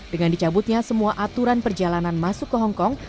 dengan dicabutnya semua aturan perjalanan masuk ke hongkong